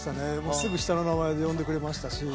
すぐ下の名前で呼んでくれましたし。